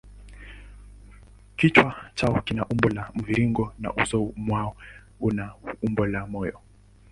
Kichwa chao kina umbo la mviringo na uso mwao una umbo la moyo.